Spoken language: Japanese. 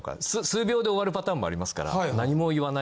数秒で終わるパターンもありますから。